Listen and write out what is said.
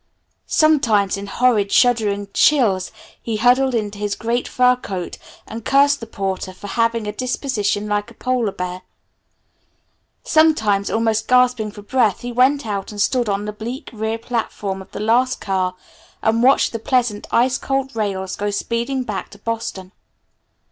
Sometimes in horrid, shuddering chills he huddled into his great fur coat and cursed the porter for having a disposition like a polar bear. Sometimes almost gasping for breath he went out and stood on the bleak rear platform of the last car and watched the pleasant, ice cold rails go speeding back to Boston.